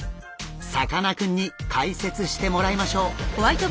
さかなクンに解説してもらいましょう。